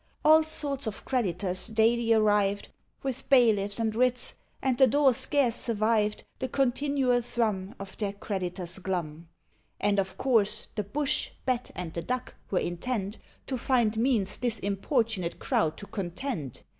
All sorts of creditors daily arrived, With bailiffs and writs; and the door scarce survived The continual thrum Of their creditors' glum; And, of course, the Bush, Bat, and the Duck were intent To find means this importunate crowd to content.